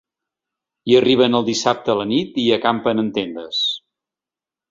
Hi arriben el dissabte a la nit i hi acampen en tendes.